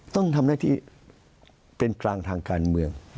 ต้องทำหน้าที่เป็นกลางทางการเมือง